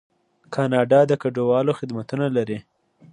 کاناډا د کډوالو خدمتونه لري.